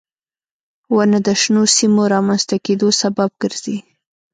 • ونه د شنو سیمو رامنځته کېدو سبب ګرځي.